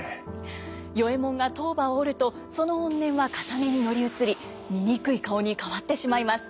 与右衛門が塔婆を折るとその怨念はかさねに乗り移り醜い顔に変わってしまいます。